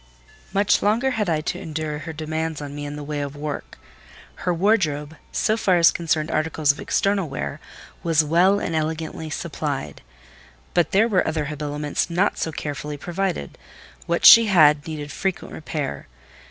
Much longer had I to endure her demands on me in the way of work. Her wardrobe, so far as concerned articles of external wear, was well and elegantly supplied; but there were other habiliments not so carefully provided: what she had, needed frequent repair.